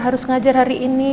harus ngajar hari ini